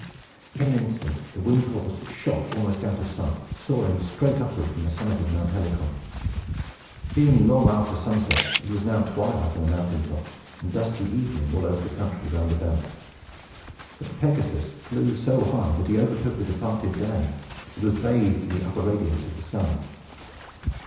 In an instant, the winged horse shot almost out of sight, soaring straight upward from the summit of Mount Helicon. Being long after sunset, it was now twilight on the mountain top, and dusky evening over all the country round about. But Pegasus flew so high that he overtook the departed day, and was bathed in the upper radiance of the sun.